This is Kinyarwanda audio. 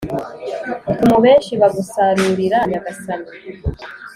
tuma benshi bagusarurira nyagasani